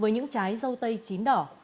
với những trái dâu tây chín đỏ